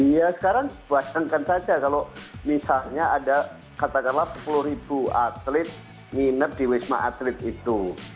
ya sekarang basengkan saja kalau misalnya ada katakanlah sepuluh ribu atlet nginep di wisma atlet itu